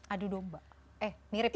adu domba eh mirip ya